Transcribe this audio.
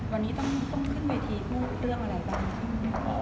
วันนี้ต้องขึ้นเวทีพูดเรื่องอะไรบ้างคะ